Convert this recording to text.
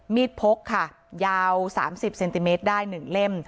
พกค่ะยาว๓๐เซนติเมตรได้๑เล่ม